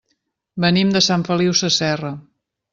Venim de Sant Feliu Sasserra.